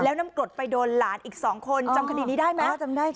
แล้วน้ำกรดไปโดนหลานอีกสองคนจำคณีนี้ได้ไหมอ๋อจำได้จำได้